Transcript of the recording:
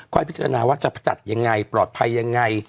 พิจารณาว่าจะจัดยังไงปลอดภัยยังไง